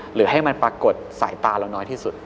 หรือให้มันปรากฏสายตาเราน้อยที่สุด